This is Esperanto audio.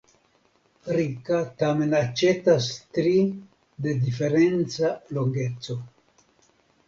Rika tamen aĉetas tri de diferenca longeco.